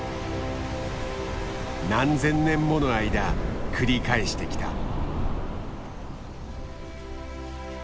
何千年もの間繰り返してきた。